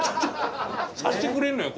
さしてくれるのよ